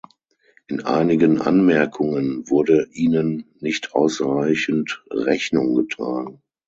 In einigen Anmerkungen wurde ihnen nicht ausreichend Rechnung getragen.